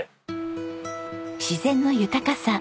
自然の豊かさ